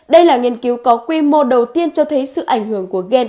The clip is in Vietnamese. đây là nghiên cứu có quy mô đầu tiên cho thấy sự ảnh hưởng của game